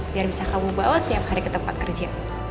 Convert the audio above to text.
biar bisa kamu bawa setiap hari ke tempat kerja